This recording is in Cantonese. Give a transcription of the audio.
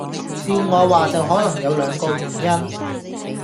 照我話就可能有兩個原因